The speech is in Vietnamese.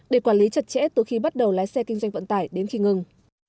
để quản lý chặt chẽ từ khi bắt đầu lái xe kinh doanh vận tải đến khi ngừng